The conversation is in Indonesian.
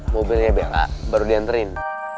mobilnya bela baru diantriin